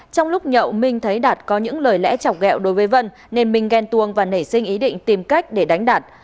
trong lúc nhậu minh thấy đạt có những lời lẽ chọc gẹo đối với vân nên minh ghen tuông và nảy sinh ý định tìm cách để đánh đạt